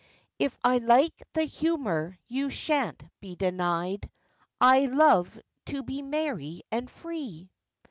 If I like the humour you shan't be denied, I love to be merry and free.